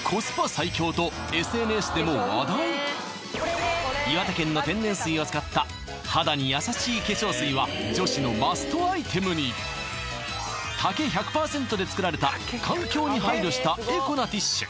最強とＳＮＳでも話題岩手県の天然水を使った肌に優しい化粧水は竹１００％で作られた環境に配慮したエコなティッシュ